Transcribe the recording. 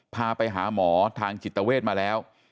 พาไปหาหมอทางจิตเวทมาแล้ว